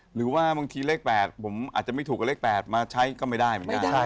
หรือว่าบางทีเลข๘ผมอาจจะไม่ถูกกับเลข๘มาใช้ก็ไม่ได้เหมือนกัน